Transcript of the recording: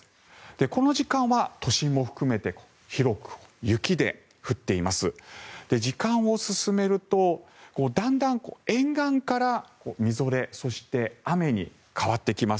この時間は都心も含めて広く雪で降っています。